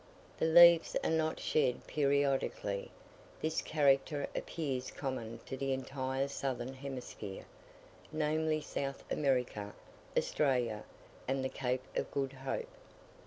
The leaves are not shed periodically: this character appears common to the entire southern hemisphere, namely, South America, Australia, and the Cape of Good Hope.